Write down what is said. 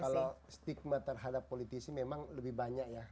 kalau stigma terhadap politisi memang lebih banyak ya